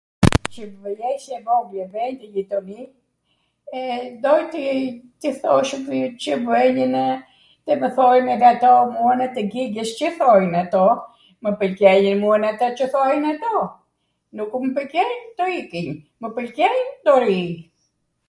Cw jesh e vogwl, vej ndw jitoni, e doj t'i thosh Cw bwnjwnw, tw mw thojnw ngato punwtw ... gjigjesh Cw thojnw ato... mw pwlqejnw mua atw qw thojnw ato? Nuku mw pwlqejn, do iki, mw pwlqejn, do ri.